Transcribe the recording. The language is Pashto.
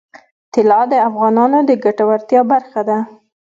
طلا د افغانانو د ګټورتیا برخه ده.